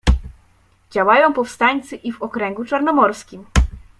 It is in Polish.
"Działają powstańcy i w okręgu Czarnomorskim."